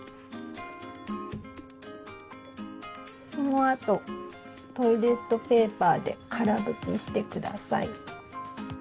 そのあとトイレットペーパーでから拭きして下さい。